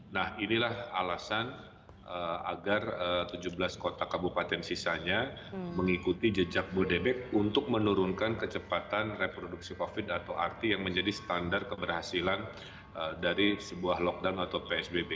nah inilah alasan agar tujuh belas kota kabupaten sisanya mengikuti jejak bodebek untuk menurunkan kecepatan reproduksi covid atau arti yang menjadi standar keberhasilan dari sebuah lockdown atau psbb